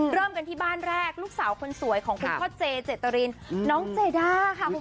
เริ่มกันที่บ้านแรกลูกสาวคนสวยของคุณพ่อเจเจตรินน้องเจด้าค่ะคุณผู้ชม